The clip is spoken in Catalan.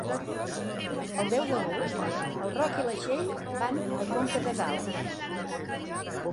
El deu d'agost en Roc i na Txell van a Conca de Dalt.